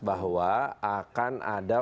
bahwa akan ada